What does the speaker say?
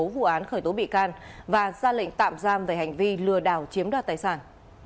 vụ án khởi tố bị can và ra lệnh tạm giam về hành vi lừa đảo chiếm đoạt tài sản